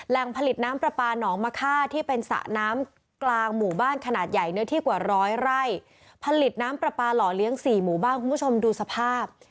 ผลิตน้ำปลาปลาหนองมะค่าที่เป็นสระน้ำกลางหมู่บ้านขนาดใหญ่เนื้อที่กว่าร้อยไร่ผลิตน้ำปลาปลาหล่อเลี้ยงสี่หมู่บ้านคุณผู้ชมดูสภาพ